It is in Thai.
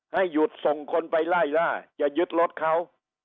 ให้หยุดส่งคนไปไล่ล่าจะยึดรถเขา